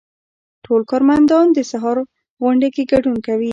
ټول کارمندان د سهار غونډې کې ګډون کوي.